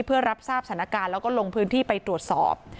เพื่อรับทราบสถานการณ์แล้วก็ลงพื้นที่ไปตรวจสอบ